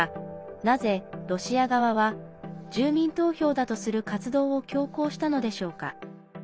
なぜ、ロシア側は住民投票だとする活動を強行したのでしょうか。